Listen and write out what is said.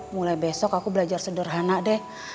mulai besok aku belajar sederhana deh